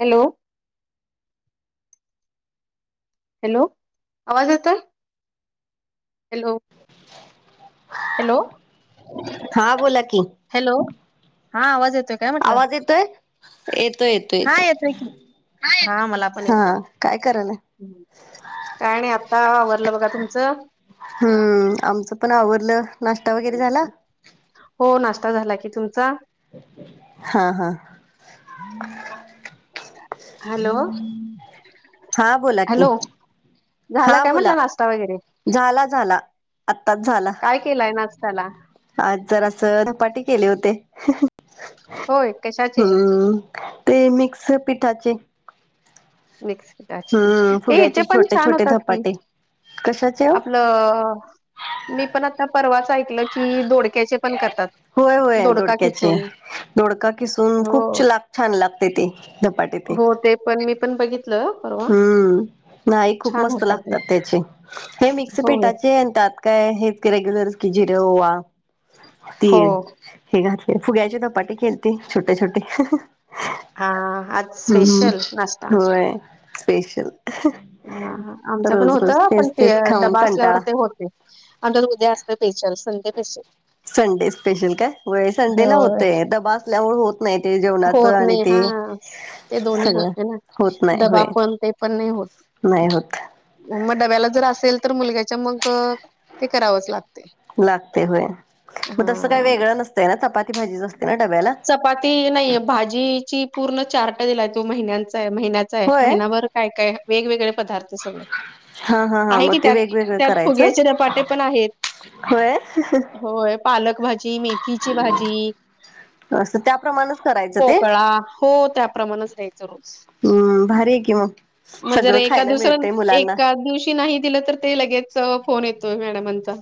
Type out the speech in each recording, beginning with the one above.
Hello hello आवाज येतोय. Hello hello हा बोला की हॅलो हा आवाज येतोय - आवाज येतोय येतोय येतो हा येतोय की हा मला पण हा येतोय काय करायल काय नाही आत्ता आवररलं बघा तुमचं? हम्म आमचं पण आवरलं नाश्ता वगैरे झाला? हो नाश्ता झाला की तुमचा? हा हा हॅलो हा बोला की हॅलो झाला हा काय बोला म्हटलं नाश्ता वगैरे? झाला झाला आत्ताच झाला. काय केलाय नाश्त्याला? आज जर असं धपाटे केले होते ह हह होय कशाचे? ते मिक्स पिठाचे. मिक्स पिठाचे हम्म ये याचे फुग्याचे पण छोटे छान छोटे होतात की. धपाटे कशाचे हो आपलं मी पण आता परवाच ऐकलं कि दोडक्याचे पण करतात दोडका खिचून धोडका किसून खूप ला छान लागते तेी झपाटी ते पण मी पण बघितलं परवा हम्म नाही खूप छान मस्त होता ते लागतात त्याचे हे मिक्स हो, पीठाचेतात काय हे रेग्युलर्स कि जरो हो. तीळ हे घातले फुग्यायची धपाटे खेळते छोटे छोटी. हां, आज हम्म स्पेशल नाश्ता. होय स्पेशल. अ आमचं पण रोज होत रोज पण तेच ते तेच खाऊन डबा असल्यावर कंटाळा ते होते. आता उद्या असत special Sunday special Sunday special काय व संडे ला होय. होतेय डब्बा आसल्यामुळे हो नाही ते जेवणाच होत आणि नाही ते हां, ते दोन्ही सगळं होत नाही ना. होत नाही डबा होय. पण ते पण नाही होत. नाही होत. मग डब्याला जर असेल तर मुलग्याच्या मग ते करावंच लागत. लागते होय मग तसं काही हां. वेगळं नसतंय ना चपाती भाजीच असते ना डब्याला? चपाती नाहीय भाजीची पूर्ण चार्ट दिलाय तो महिन्यांचा आहे महिन्याचा आहे होय महिन्याभर काय काय वेगवेगळे पदार्थ सगळं. हा हा हा आहे की मग ते त्यात वेगवेगळं त्यात करायचं फुग्याचे धपाटे पण आहेत. होय होय पालक भाजी मेथीची भाजी अस त्याप्रमाणच करायचं ते पोकळा हो त्याप्रमाणच द्यायचं रोज हम्म भारी आहे की मग सगळं खायला मिळतय मुलांना. ती नाही दिले तर ते लगेच फोन येतोय मॅडमचा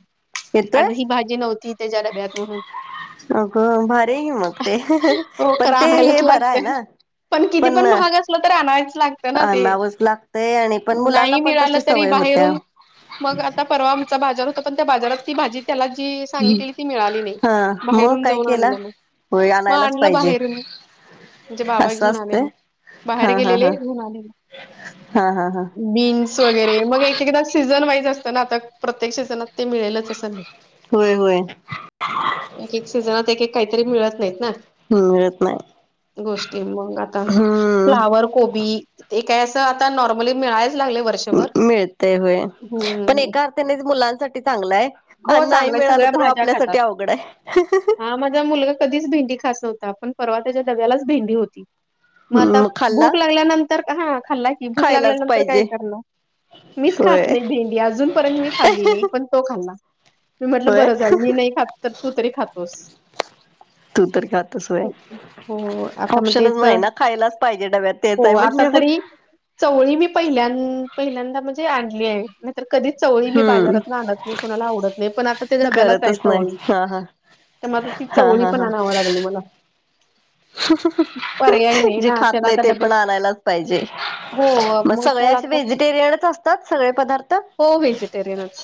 येतोय आज ही भाजी नव्हती. त्याच्या डब्यात म्हणून अगं भारी मग. ते हो पण खरं ते हे आणायलाच बरं आहे लागतंय. ना पण तर आणायचं लागत ना ते आणावंच लागतय आणि पण मुलांना नाही पण मिळालं तशी तरी सवय होत्या बाहेरून मग आता परवा आमचा बाजार होता पण त्या बाजारात ती भाजी त्याला जी सांगितलेली ती मिळाली नाही. हा मग बाहेरून काय जाऊन केला आणलं मग. होय मग आणायलाच आणलं पाहिजे बाहेरून म्हणजे बाबा असं घेऊन आले असतंय मग बाहेर हा हा गेलेले. हा ह हा हा हा बीन्स वगैरे मग एक एकदा सीझन वाईज असतं ना आता प्रत्येक सीझनात ते मिळेलच असं नाही. होय होय एक एक सिजनात एक एक काही मिळत नाही ना मिळत नाही गोष्टी मग आता. हम्म फ्लावर कोबी ते काय असं आता नॉर्मली मिळायच लागले वर मिळतय होय पण एका अर्थाने मुलांसाठी चांगलाय. ह हो नाही चांगलं आहे मिळालं सगळ्या तर मग भाज्या खातात. आपल्यासाठी अवघड आहे. हां, माझा मुलगा कधीच भेंडी खात नव्हता पण परवा त्याच्या दडब्यालाच भेंडी होती. मग आता भूक लागल्यानंतर का खाल्लाय ती भूक खायलाच लागल्यानंतर काय पाहिजे करण मीच होय खात नाही भेंडी अजूनपर्यंत मी खाल्ली नाही पण तो खाल्ला मी म्हटलं होय बरं झालं मी नाही खात तर तू तरी खातोस. तू तर खातोस हो आता मग तेच ऑप्शनच नाही ना खायलाच पाहिजे डब्यात हो तेच आहे आता म्हणणेवर. तरी चवळी मी पहिल्यांद पहिल्यांदा म्हणजे आणली आहे नाहीतर कधीच चवळी मी हम्म बाजारातून आणत नाही. कोणाला आवडत नाही पण आता ते धब्याला करतच जायचं हो नाही हा हा त्या म हा चवळी हा पण हा आणाव लागली मला. पर्याय नाही जे ना त्याला खातलंय आता ते डबल पण आणायलाच पाहिजे. हो मग सगळे त्याला असे आता व्हेजिटेरियनच असतात सगळे पदार्थ? हो व्हेजिटेरियनच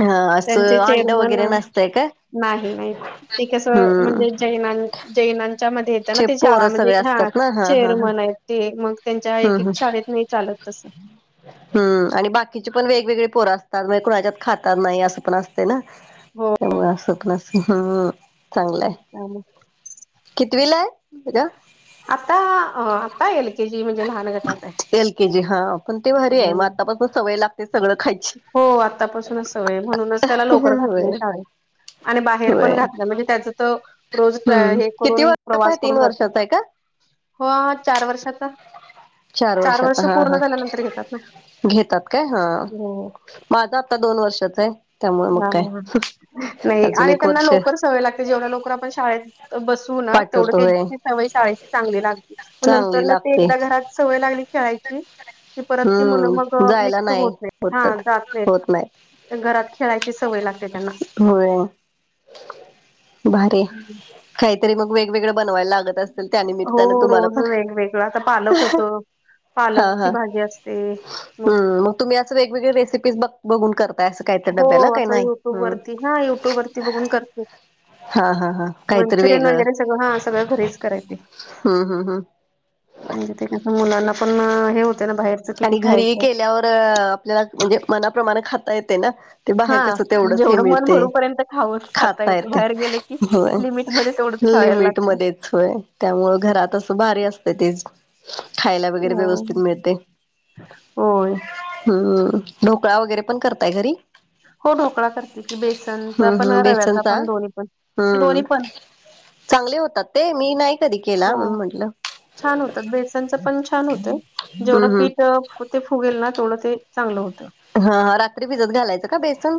हा त्यांचे असं अंड चेरमन वगैरे नसतंय काय नाही. ते कस हम्म म्हणजे जैना जैनांच्या मध्ये येत ना चे ते पोरं शाळामध्ये सगळे हा असतात ना हा हा हा चेअरमन आहेत ते मग त्यांच्या हम्म एक एक हम्म शाळेत नाही चालत तस. हम्म आणि बाकीची पण वेगवेगळे पोरं असतात मग कुणाच्यात खातात नाही असं पण असते ना हो त्यामुळे असत न हम् चांगलंय. ह ना कितवीला आहे? आता आता एल के जी म्हणजे लहान गटात आहे एल के जी हा पण ते भारी आहे मग अम् आतापासून सवय लागते सगळं खायची हो आत्तापासूनच सवय म्हणूनच त्याला लोकर घातली होय शाळेेत आणि बाहेर होय पण घातलं म्हणजे त्याच तर रोज हम्म हे किती करून वर्षाचा आहे प्रवास तीन करून जातो वर्षाचा आहे का? हो चार वर्षाचा चार वर्षात वर्ष हा पूर्ण हा झाल्यानंतर घेतात ना घेतात काय हा हो माझं आत्ता दोन वर्षाच आहे त्यामुळे मग काय हा नाही अजून आणि एक त्यांना वर्ष लवकर सवय लागते जेवढ लोक आपण शाळेत बसू ना तेवढ पाठवतो होय त्याची सवय शाळेची चांगली लागते म नंतर चांगली ना ते लागते. एकदा घरात सवय लागली खेळायची की परत ती मुलं मग हम्म जायला मिक्स होत नाही ह होतात जात नाही होत घरात खेळा सवय लागते त्यांना होय भारी काहीतरी मग वेगवेगळं बनवायला लागत असं हो त्यानमित्तानं तुम्हाला रोज पण वेगवेगळं आता पालक होतं हा पालकची हा भाजी असते हम्म मग तुम्ही असं वेगवेगळे रेसिपी बघ बघून करताय अस हो असं युट्यूब वरती हा युट्यूब वरती बघून करते हा हा हा काहीतरी मंचुरियन वेगळं वगैरे सगळं हा सगळं घरीच कराय ते हम्म हम्म हम्म जथे क मुलांना पण हे ना बाहेरच किती आणि घरी खायचं केल्यावर आपल्याला म्हणजे मनाप्रमाणे खाता येते ना ते हा बाहेर कस तेवढंच हे जेवढं मन मिळते भरूपर्यंत खाऊन खाता येते येत बाहेर गेलं की म्ह लिमिटमध्ये तेवढंच खावायला मीट लागतं मध्ये य त्यामुळ घरात असं भारी असत तेच खायला वगैरे हा, व्यवस्थित मिळते होय हम्म ढोकळा वगैरे पण करताय घरी हो ढोकळा करते की बेसनचा हम्म पण हम्म रव्याचा बेसनचा पण दोन्ही पण हम्म दोन्ही पण चांगले होतात ते मी नाही कधी केला हो म्हण म्हंटलं छान होतात बेसनचं पण छान होतंय जेवढं हम्म हम्म पीठ ते फुगेल ना थोडं ते चांगलं होत हा रात्री भिजत घालायचं का बेसन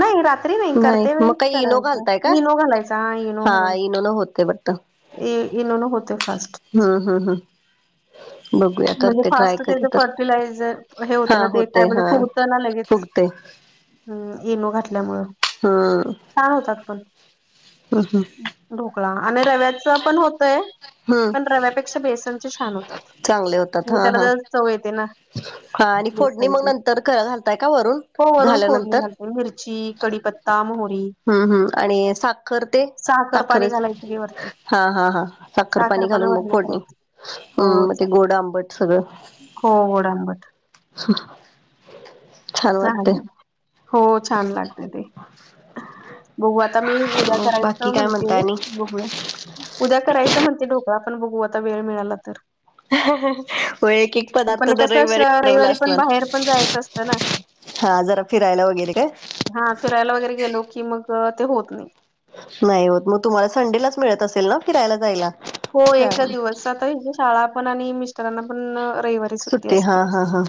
नाही रात्री नाही करते मग वेळीच काही इनो करायच घालताय का? इनो घालायचा हा इनो घाल आता इनोन होते फर्स्ट हम हम ह बघूया करते ट्राय करे तर यटिलाझर हे होत हा ना ते काय होते म्हणजे हा. फवत ना लगेच फुगते हम् येनो घातल्यामुळं हा छ होतात पण आ हां ढोकळा आणि रव्याचा पण होतय हम्म पण रव्यापेक्षा बेसनचे छान होतात चांगले होते. म्हणजे त्याला जर चव येते ना हा आणि फोडणी मग बसांची नंतर घालताय का वरून हो वरून झाल्यानंतर? फोडणी घालते मिरची कडीपत्ती तम होरी हम्म हम्म आणि साखर ते साखर पाणी घालायची वरती हा हा हा साखर पाणी साखरपणा घालून मग वरण फोडणी करायच हो हम् मग ते गोड आंबट. ठरू. हो डंबत. छान वाटतेय. चालेल हो छान लागते ते बहू आता मी उद्या मग बाकी करायचं काय म्हणते म्हणता आणि बहुया. उद्या करायचं म्हणते ढोकळा आपण बघू आता वेळ मिळाला तर वै एक एक पदार्थ पण दर कसं श रविवारी वानवला रविवारी पण असला. बाहेर पण जायचं असतं ना हा जरा फिरायला वगैरे काय? हा फिरायला वगैरे गेलो की मग ते होत नाही. नाही होत मग तुम्हाला संडेलाच मिळत असेल ना फिरायला जायला. हो ए छान दिवस आता ह शाळा पण आणि मिस्टरांना पण रहिव. सुी सुट्टी असते हा हा हा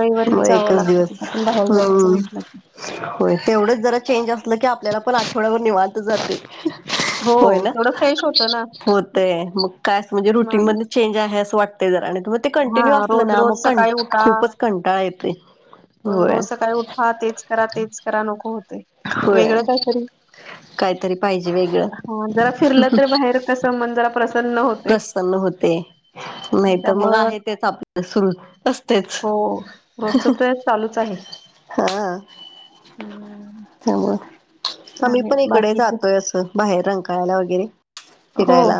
रविवारी मग जावं एकच लागत कुठ पण बाहेर जायचं म्हट. हो तेवढंच जरा चेंज असलं की आपल्याला पण आठवड्यावर निवत जाते. हो होय ना तेवढं फ्रेश होतं ना होतय मग काय म्हणजे रुटी म माणूस ंज आहे अस वाट जराग ते हा कंटिन्यू असलं रोज ना म रोज सकाळी उठा खूपच. कंटाळयत रोज काय उठा तेच करा तेच करा नको होते होय वेगळं कायतरी. काहीतरी पाहिजे वेगळं हा जरा फिरलं तररी बाहेर कस मन जरा प्रसन्न होते. नाही तर मग त्यामुळं आहे तेच आपल्या सुरू असतेच. चा आहे. हा हम्म त्यामुळे आम्ही चालेल पण इकडे बाकी जातोय असं बाहेर रंगकायला वगैरे हो फिरायला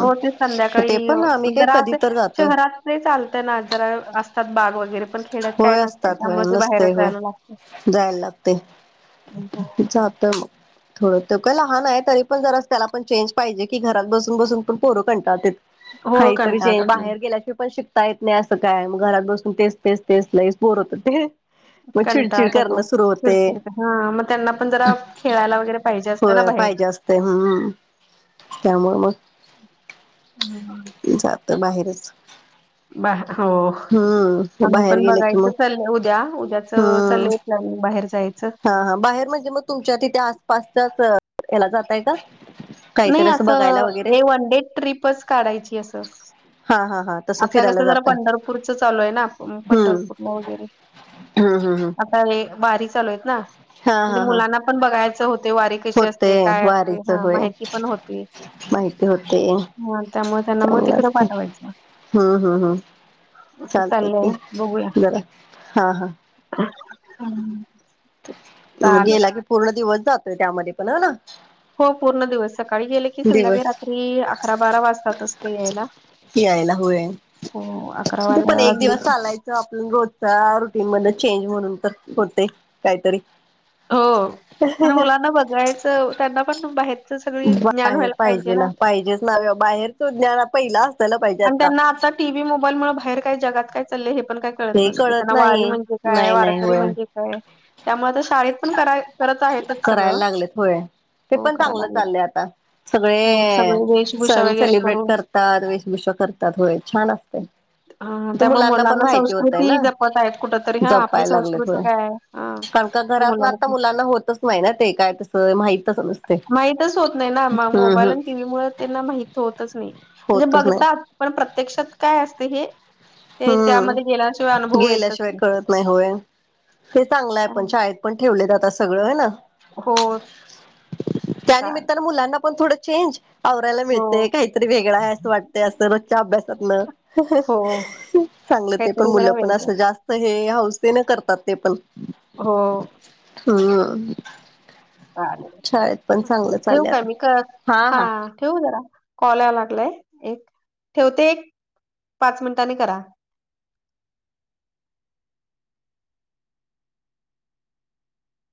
हो ते ते संध्याकाळी अ, पण आम्ही काय जरा कधी असे तर जातोय. शहरात ते चालतय ना जरा असतात बाग वगैरे पण खेड्यात काय होय नसते असतात होय त्यामुळे ते नसते बाहेरच होय जायला लागतं. जायला लागते. जता. थोडं तेव काय लहान आहे तरी पण जरा त्याला पण चेंज पाहिजे की घरात बसून बसून पण पोरं कणतात हो काहीतरी जे कंटाळतात मुलं बाहेर गेल्याशिय पण शिक त यत नाही असं काय मग घरात बसून तेच तेच तेच नाहीईच बोरवत ते मग कंटा चिडचिड आता तो करणं सुरू होते खिडखिड हा मग त्यांना पण जरा खेळायला वगैरे पाहिजे हो असतं ना पाहिजे असत हम्म त्यामुळे मग हम् हम. तर माहेरच बा हो. आम्ही बाहेर पण गेले की मग बघायचं चल उद्या उद्याचं हम्म लले प्लॅनिंग बाहेर जायचं. हा हा बाहेर म्हणजे मग तुमच्या तिथे आसपासचाच याला जातय का? नाही काहीतरी बघायला वगैरे असं ए वन डे ट्रीपच काढायची असं. हा हा हा. तसं आता फिरायला कसं जरा जातय पंढरपूरचं चालू आहे ना हम्म पंढरपूर वगैरे हम्म हम्म हम्म हे बारी चालूय आहेत ना. हा म्हणजे हा हा मुलांना पण बघायचं होते वारी कशी होते असते काय असते वारीच हा होय माहिती पण होती. माहिती होते हा त्यामुळे त्यांना मग तिकडं पाठवायचं. हम् हम् हम् असं चालते क चाललंय बरा हा हा. हम्. गेला की पूर्ण दिवस जातोय त्यामध्ये पण ह ना. हो पूर्ण दिवस सकाळी गेले की संध्याकाळी दिवस रात्री अकरा बारा वाजताात असते यायला. यायला होय हो अकरा ते पण वाजा एक वाजले. दिवस चालायचं आपण रोजचा रुटीन मण चेंज म्हणून तर होते काहीतरी हो आणि मुलांना बघायचं त्यांना पण बाहेर बाहेर पाहिजे ना पाहिजेच ना बाहेरचो् पहिला असताला पाहिजे आता टी व्ही मोबाईलमुळे बाहेर काय जगात काय चालय हे पण काय त हे न कळत त्यां वारी नाही म्हणजे काय नाही नाही वारकरी होय म्हणजे काय त्यामुळे आ शाळेत पण करा करत आहेतच करायला सगळं. लागले थोडे ते हो पण करायला चांगलं लागलेत. चाललं आता हो सगळे वेशभूषा सण वगैरे सेलिब्रेट करून करत ात वेशभूषा करतात होय छान असते हा ते त्यामुळे पण मुलांना स माहिती होतय कृती ना जपत आहेत कुठ तरी हा आपली जपायला लागलेत संस्कृती होय काय कारण का अ घरात आता मुलांना होतच नाही ना ते काय तसं माहित माहितच होत नाही ना मोबाईल आणि टीव्ही मु त्यांना माहित होतच नाही म्हणजे होतच नाही बघतात पण प्रत्यक्षात काय असते हे ते त्यामध्ये गेल्याशिवाय हम्म अनुभव येतच गेल्याशिवाय कळत नाही होय ते चांगलं आहे पण शाय पण ठेवलेत आता सगळं आहे ना हो चालेल त्यानमित्तानं मुलांना पण थोडं चेंज आवरायला हो मिळते काहीतरी वेगळा आहे असं वाटतय असं रोजच्या अभ्यासातन हो चांगलं ते पण काहीतरी मुलं जरा पण वेगळ असं जास्त हे हौसेने करतात ते पण हो हम चालेल शाळेत पण चांगलं ठेवू चालं काय आता मी कर हा हा ठेवू जरा कॉलला लागलंय एक ठेवते एक पाच मिनिटांनी करा